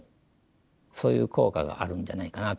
そういう効果があるんじゃないかなと思います。